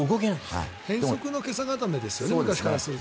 変則のけさ固めですよね。